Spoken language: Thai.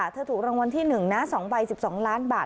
เธอถูกรางวัลที่หนึ่งนะสองใบสิบสองล้านบาท